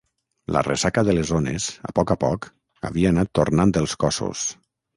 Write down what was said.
La ressaca de les ones, a poc a poc, havia anat tornant els cossos.